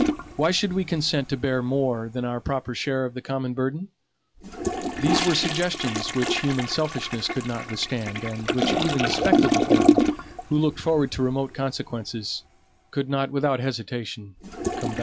Why should we consent to bear more than our proper share of the common burden? These were suggestions which human selfishness could not withstand, and which even speculative men, who looked forward to remote consequences, could not, without hesitation, combat.